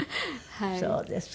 そうですか。